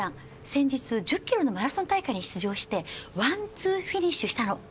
先日１０キロのマラソン大会に出場してワンツーフィニッシュしたの。